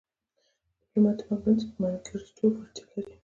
ډيپلومات د منځګړیتوب وړتیا لري.